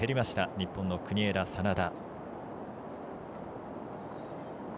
日本の国枝、眞田。